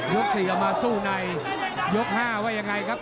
ยกที่๔เรามาสู้ในยก๕ว่าอย่างไรครับ